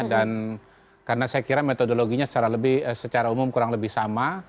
dan karena saya kira metodologinya secara umum kurang lebih sama